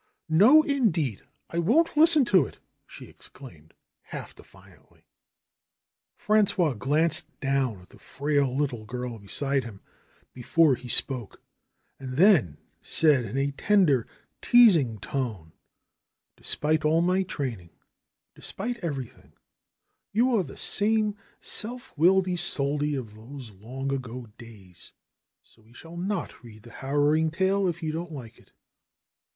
"No, indeed ! I won't listen to it," she exclaimed, half defiantly. Frangois glanced down at the frail little girl beside him before he spoke and then said in a tender, teasing tone: "Despite all my training, despite everything, you are the same self willed Isolde of those long ago days, so we shall not read the harrowing tale if you don't like it."